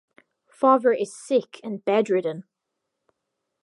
Father is sick and bedridden.